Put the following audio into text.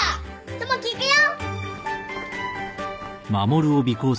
友樹行くよ。